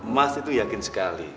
mas itu yakin sekali